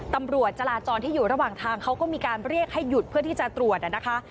ตำรวจจราจรที่อยู่ระหว่างทางเขาก็มีการเรียกให้หยุดเพื่อที่จะตรวจนะคะ